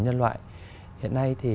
nhân loại hiện nay thì